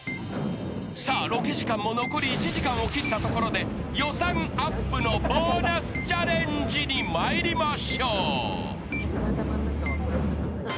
さあ、ロケ時間も残り１時間を切ったところで予算アップのボーナスチャレンジにまいりましょう。